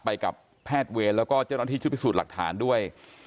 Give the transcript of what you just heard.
ไปกับแพทย์เวรแล้วก็เจ้าหน้าที่ชุดพิสูจน์หลักฐานด้วย